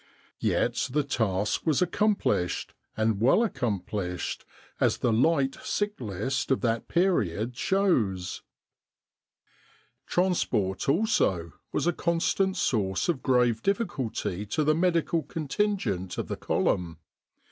Yet the task \vas accomplished, and well accomplished, as the light sick list of that period shows. Transport, also, was a constant source of grave difficulty to the medical contingent of the column.